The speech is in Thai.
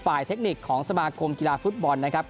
เทคนิคของสมาคมกีฬาฟุตบอลนะครับ